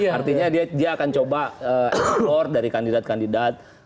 artinya dia akan coba explor dari kandidat kandidat